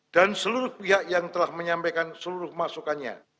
dan seluruh pihak yang telah menyampaikan seluruh masukannya